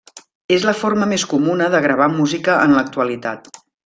És la forma més comuna de gravar música en l'actualitat.